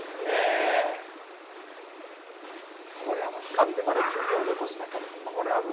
カップまで距離を残した勝。